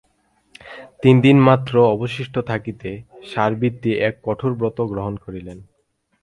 তিন দিন মাত্র অবশিষ্ট থাকিতে সাবিত্রী এক কঠোর ব্রত গ্রহণ করিলেন।